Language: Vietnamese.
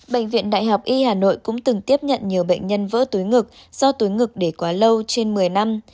bệnh viện đại học y hà nội cũng từng tiếp nhận nhiều bệnh nhân vỡ túi ngực do túi ngực để quá lâu trên một mươi năm